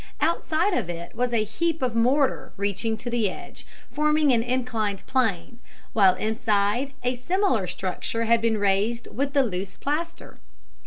Outside of it was a heap of mortar reaching to the edge, forming an inclined plane, while inside a similar structure had been raised with the loose plaster.